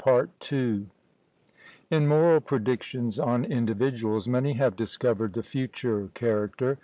" In moral predictions on individuals, many have discovered the future character.